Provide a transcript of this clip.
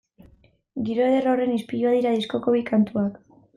Giro eder horren ispilua dira diskoko bi kantuak.